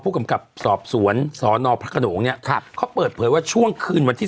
กำกับสอบสวนสนพระขนงเนี่ยครับเขาเปิดเผยว่าช่วงคืนวันที่๑